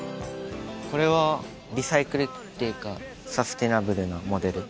これはリサイクルっていうかサステナブルなモデル。